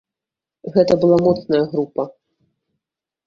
Гэта была моцная група.